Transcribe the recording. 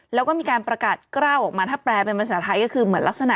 แล้วก็มีการประกาศกล้าวออกมาถ้าแปลเป็นภาษาไทยก็คือเหมือนลักษณะ